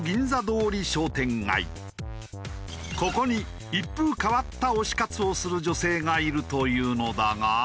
ここに一風変わった推し活をする女性がいるというのだが。